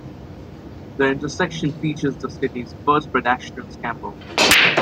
The intersection features the city's first pedestrian scramble.